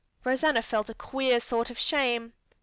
Rosanna felt a queer sort of shame.